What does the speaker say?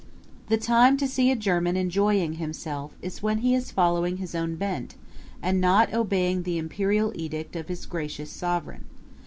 The time to see a German enjoying himself is when he is following his own bent and not obeying the imperial edict of his gracious sovereign.